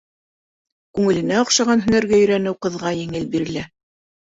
Күңеленә оҡшаған һөнәргә өйрәнеү ҡыҙға еңел бирелә.